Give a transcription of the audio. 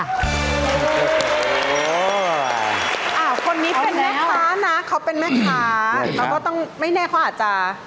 คนนี้เป็นแม่ค้านะเขาเป็นแม่ค้าแล้วก็ต้องไม่แน่เขาอาจจะ